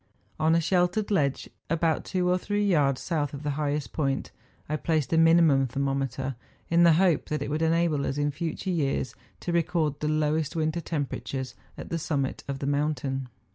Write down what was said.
On a sheltered ledge, about two or three yards south of the highest point, I placed a minimum thermometer, in the hope that it would enable us in future years to record the lowest winter temperatures at the summit of the mountain.